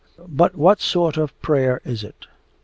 But what sort of prayer is it?